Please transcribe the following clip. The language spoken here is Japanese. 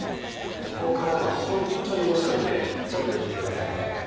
ここからが本当に面白いんでちょっと聞いて下さいね。